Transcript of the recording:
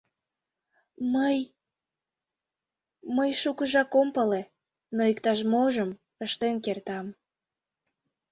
— Мый... мый шукыжак ом пале, но иктаж-можым ыштен кертам.